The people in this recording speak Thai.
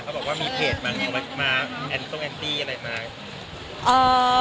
เขาบอกว่ามีเพจมาส่งแอลตี้อะไรมา